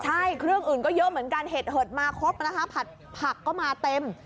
ใช่เครื่องอื่นก็เยอะเหมือนกันเห็ดเหิดมาครบนะคะผัดผักก็มาเต็ม